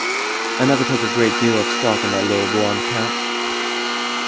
I never took a great deal of stock in that little blond Count.